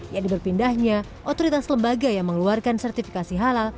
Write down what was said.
yang diberpindahnya otoritas lembaga yang mengeluarkan sertifikasi halal